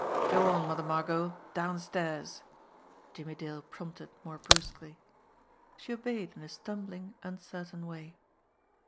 "Go on, Mother Margot downstairs," Jimmie Dale prompted more brusquely. She obeyed in a stumbling, uncertain way.